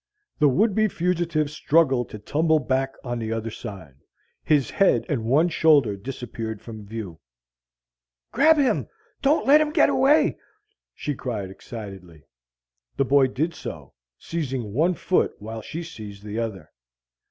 The would be fugitive struggled to tumble back on the other side. His head and one shoulder disappeared from view. "Grab him! Don't let him get away!" she cried excitedly. The boy did so, seizing one foot while she seized the other.